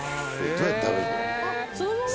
どうやって食べるんだ